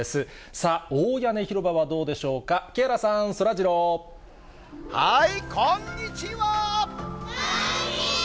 さあ、大屋根広場はどうでしょうか、こんにちは。